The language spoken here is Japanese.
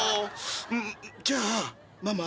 じゃあママ。